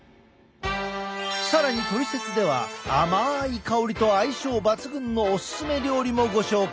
更に「トリセツ」では甘い香りと相性抜群のおすすめ料理もご紹介！